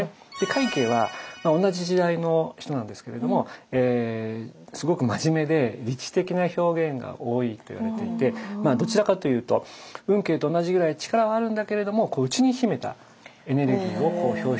快慶は同じ時代の人なんですけれどもすごく真面目で理知的な表現が多いって言われていてどちらかというと運慶と同じぐらい力はあるんだけれどもっていわれているんです。